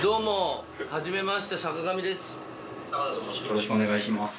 よろしくお願いします。